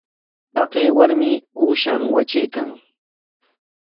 Taqay warmi uushan watraykan.